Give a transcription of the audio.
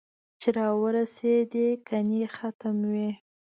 چې را ورېسېدې ګنې ختم وې